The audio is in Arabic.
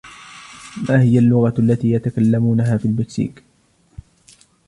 ما هي اللغة التي يتكلمونها في المكسيك ؟